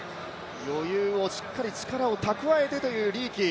余裕を、しっかり力を蓄えてというリーキー。